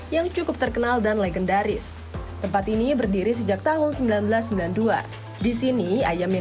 yang cukup terkenal dan legendaris tempat ini berdiri sejak tahun seribu sembilan ratus sembilan puluh dua disini ayam yang